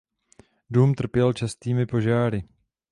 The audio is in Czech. Dům trpěl častými požáry.